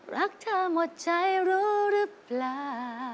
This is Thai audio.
รักเธอหมดใจรู้หรือเปล่า